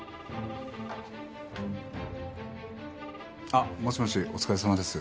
あっもしもしお疲れさまです。